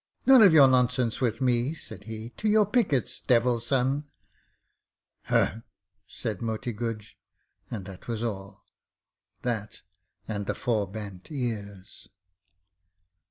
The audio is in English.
'None of your nonsense with me,' said he. 'To your pickets, Devil son.' 'Hrrump!' said Moti Guj, and that was all that and the forebent ears.